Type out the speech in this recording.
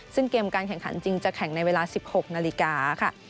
ซึ่งเกมการแข่งขันจริงจะแข่งในเวลา๑๖นาฬิกาค่ะ